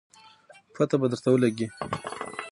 پته به درته ولګي